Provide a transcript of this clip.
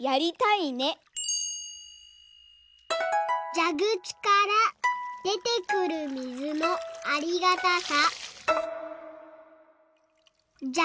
「じゃぐちからでてくるみずのありがたさ」。